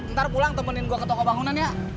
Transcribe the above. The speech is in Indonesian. ntar pulang temenin gue ke toko bangunan ya